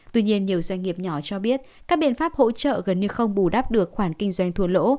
tuy nhiên nhiều doanh nghiệp nhỏ cho biết các biện pháp hỗ trợ gần như không bù đắp được khoản kinh doanh thua lỗ